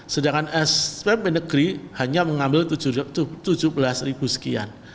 sedangkan smp negeri hanya mengambil tujuh belas ribu sekian